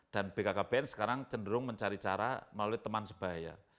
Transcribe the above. dan bkkbn sekarang cenderung mencari cara melalui teman sebaya